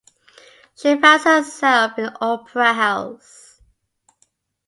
She finds herself in opera house.